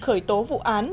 khởi tố vụ án